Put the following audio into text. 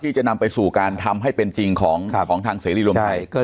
ที่จะนำไปสู่การทำให้เป็นจริงของของทางเสรีรวมไพรใช่